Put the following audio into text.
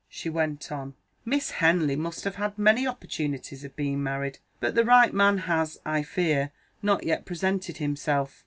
She went on: "Miss Henley must have had many opportunities of being married; but the right man has, I fear, not yet presented himself."